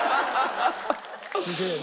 すげえな。